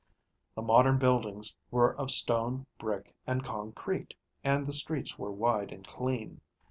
The modern buildings were of stone, brick, and concrete, and the streets were wide and clean.